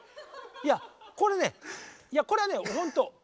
いやこれねいやこれはねほんと。